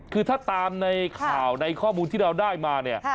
คือถ้าตามในข่าวในข้อมูลที่เราได้มาเนี่ย